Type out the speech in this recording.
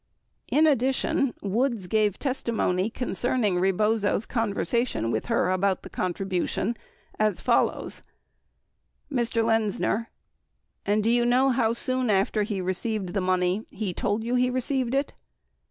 970 In addition, Woods gave testimony concerning Rebozo's conversa tion with her about the contribution as follows : Mr. Lenzner. And do you know how soon after he received the money he told you he received it